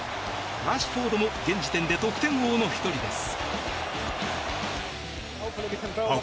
ラッシュフォードも現時点で得点王の１人です。